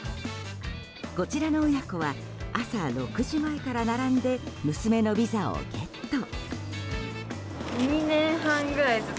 こちらの親子は朝６時前から並んで娘のビザをゲット。